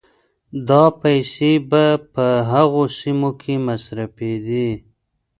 دا پيسې به په هغو سيمو کې مصرفېدې